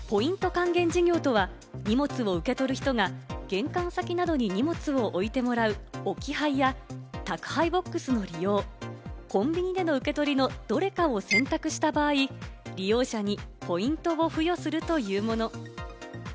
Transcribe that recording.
還元事業とは、荷物を受け取る人が、玄関先などに荷物を置いてもらう置き配や宅配ボックスの利用、コンビニでの受け取りのどれかを選択した場合、利用者にポイントを付与するというもの。